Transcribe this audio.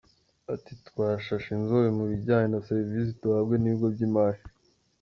Ati “Twashashe inzobe mu bijyanye na serivisi duhabwa n’ibigo by’imari.